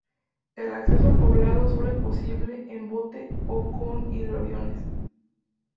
El acceso al poblado solo es posible en bote o con hidroaviones.